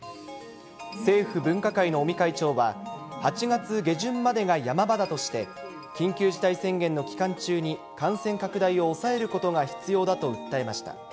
政府分科会の尾身会長は、８月下旬までがヤマ場だとして、緊急事態宣言の期間中に感染拡大を抑えることが必要だと訴えました。